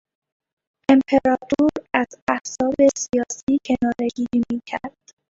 امپراطور از احزاب سیاسی کنارهگیری میکرد.